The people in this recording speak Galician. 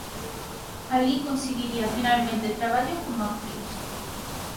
Alí conseguiría finalmente traballo como actriz.